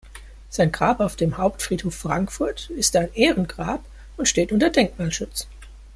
Sein Grab auf dem Hauptfriedhof Frankfurt ist ein Ehrengrab und steht unter Denkmalschutz.